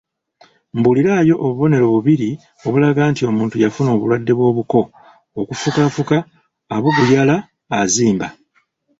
Mbuulirayo obubonero bubiri obulaga nti omuntu yafuna obulwadde bw'obuko: okufukaafuka, abuguyala, azimba.